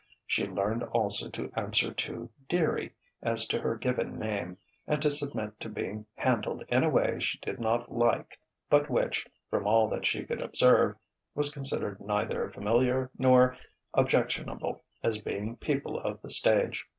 She learned also to answer to "dearie" as to her given name, and to submit to being handled in a way she did not like but which, from all that she could observe, was considered neither familiar nor objectionable as between people of the stage.